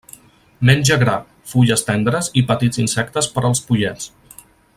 Menja gra, fulles tendres i petits insectes per als pollets.